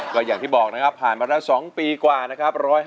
ก็อย่างที่บอกนะครับผ่านมาแล้ว๒ปีกว่านะครับ